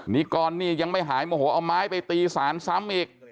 นิกรนี่ยังไม่หายโมโหเอาไม้ไปตีศาลซ้ำอีก